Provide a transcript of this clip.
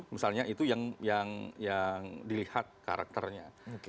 misalnya itu yang dilihat karakternya